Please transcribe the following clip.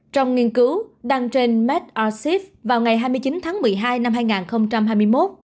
trong nghiên cứu đăng trên made arsef vào ngày hai mươi chín tháng một mươi hai năm hai nghìn hai mươi một